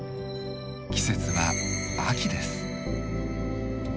季節は秋です。